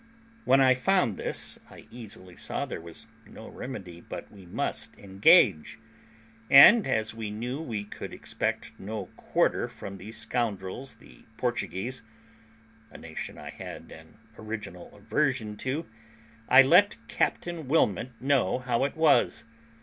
When I found this, I easily saw there was no remedy, but we must engage; and as we knew we could expect no quarter from those scoundrels the Portuguese, a nation I had an original aversion to, I let Captain Wilmot know how it was.